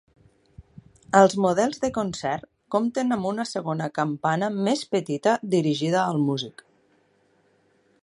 Els models de concert compten amb una segona campana més petita dirigida al músic.